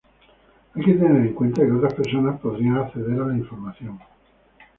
hay que tener en cuenta que otras personas podrían acceder a la información